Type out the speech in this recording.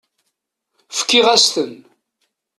Fkiɣ-as-ten.